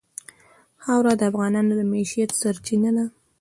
خاوره د افغانانو د معیشت سرچینه ده.